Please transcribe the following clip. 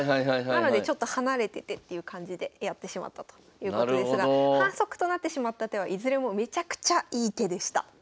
なのでちょっと離れててっていう感じでやってしまったということですが反則となってしまった手はいずれもめちゃくちゃいい手でした。